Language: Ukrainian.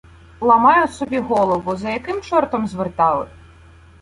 Ламаю собі голову: за яким чортом звертали?!